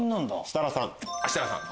設楽さん。